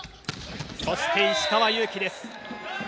そして、石川祐希です。